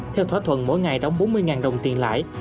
theo thỏa thuận mỗi ngày đóng bốn mươi đồng tiền lãi